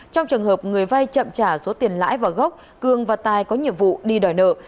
trong trường hợp người vay chậm trả số tiền lãi vào gốc cường và tài có nhiệm vụ đi đòi nợ